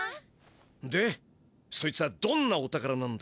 でそいつはどんなお宝なんだ？